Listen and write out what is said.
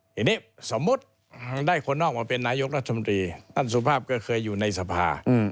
ทีนี้สมมุติได้คนนอกมาเป็นนายกรัฐมนตรีท่านสุภาพก็เคยอยู่ในสภา